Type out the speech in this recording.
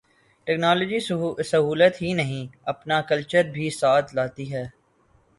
Technology سہولت ہی نہیں، اپنا کلچر بھی ساتھ لاتی ہے۔